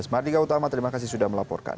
mardika utama terima kasih sudah melaporkan